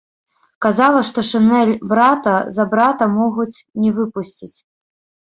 Казала, што шынель брата, за брата могуць не выпусціць.